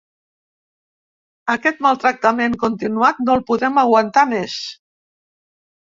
Aquest maltractament continuat no el podem aguantar més.